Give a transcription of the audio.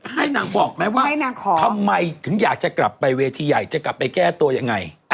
ให้นางบอกไหมว่าทำไมถึงอยากจะกลับไปเวทีใหญ่จะกลับไปแก้ตัวยังไง